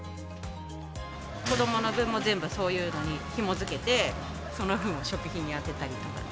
子どもの分も全部そういうのにひもづけて、その分を食費に充てたりとか。